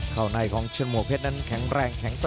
ข้าวในของชมวกเพชรนั้นแข็งแรงแข็งแกร่ง